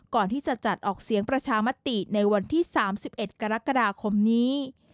ก่อนที่จะจัดออกเสียงประชามติในวันที่๓๑กรกฎาคมนี้